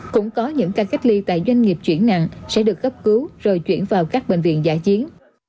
cũng có những ca cách ly tại doanh nghiệp chuyển nặng sẽ được cấp cứu rồi chuyển vào các bệnh viện giả chiến